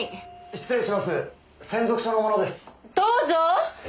失礼します。